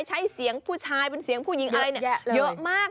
ใช้เสียงผู้ชายเป็นเสียงผู้หญิงอะไรเยอะมาก